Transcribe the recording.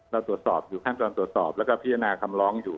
เราตรวจสอบอยู่ขั้นตอนตรวจสอบแล้วก็พิจารณาคำร้องอยู่